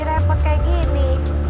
bapak jadi repot kayak gini